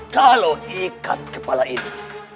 kalau ikat kepala ini